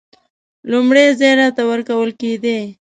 لومړی ځای راته ورکول کېدی.